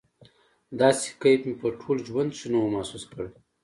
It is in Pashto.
داسې کيف مې په ټول ژوند کښې نه و محسوس کړى.